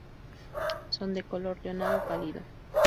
Son de color leonado pálido.